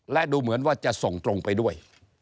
และดูเหมือนว่าจะส่งตรงไปด้วย